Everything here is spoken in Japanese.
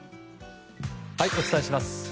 お伝えします。